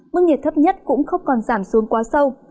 mức nhiệt thấp nhất cũng không còn giảm xuống quá sâu